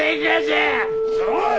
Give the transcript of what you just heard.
おい！